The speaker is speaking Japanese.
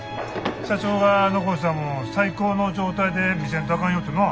社長が残したもんを最高の状態で見せんとあかんよってな。